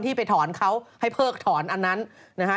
ไปถอนเขาให้เพิกถอนอันนั้นนะฮะ